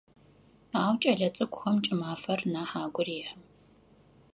Ау кӏэлэцӏыкӏухэм кӏымафэр нахь агу рехьы.